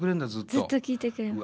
ずっと聞いてくれる。